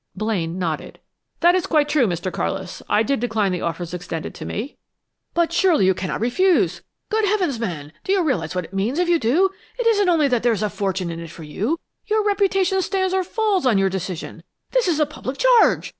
Blaine nodded. "That is quite true, Mr. Carlis. I did decline the offers extended to me." "But surely you cannot refuse! Good heavens, man, do you realize what it means if you do? It isn't only that there is a fortune in it for you, your reputation stands or falls on your decision! This is a public charge!